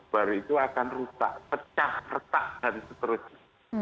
delapan puluh bar itu akan rusak pecah retak dan seterusnya